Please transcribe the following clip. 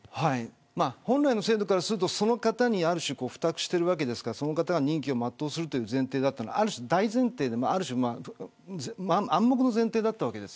本来の制度からするとその方に付託しているわけですからその方が任期を全うする前提が大前提で暗黙の前提だったわけです。